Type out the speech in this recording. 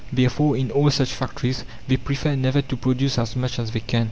Therefore in all such factories they prefer never to produce as much as they can.